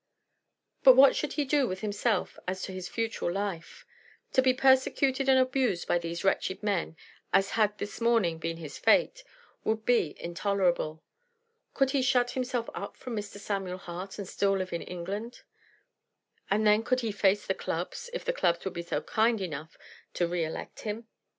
But what should he do with himself as to his future life? To be persecuted and abused by these wretched men, as had this morning been his fate, would be intolerable. Could he shut himself up from Mr. Samuel Hart and still live in England? And then could he face the clubs, if the clubs would be kind enough to re elect him?